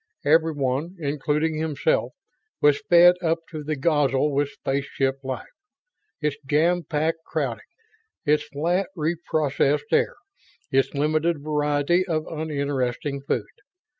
Everyone, including himself, was fed up to the gozzel with spaceship life its jam packed crowding; its flat, reprocessed air; its limited variety of uninteresting food.